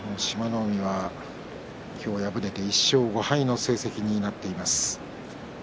海は今日敗れて１勝５敗の成績になっています。